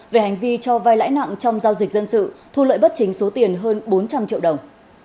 về hành vi cho vai lãi nặng trong giao dịch dân sự thu lợi bất chính số tiền hơn bốn trăm linh triệu đồng